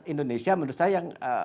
indonesia menurut saya yang